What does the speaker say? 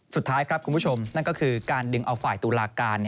สุดท้ายครับคุณผู้ชมนั่นก็คือการดึงเอาฝ่ายตุลาการ